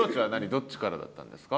どっちからだったんですか？